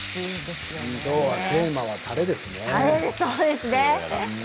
きょうはテーマはたれですね。